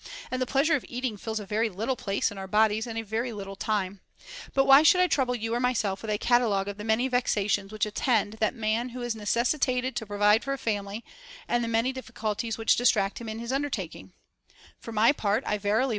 And the pleasure of eating fills a very little place in our bodies and very little time. But why should I trouble you or myself with a catalogue of the many vexations which attend that man who is necessitated to provide for a family, and the many difficulties which dis tract him in his undertaking] For my part, I verily 32 THE BANQUET OF THE SEVEN WISE MEN.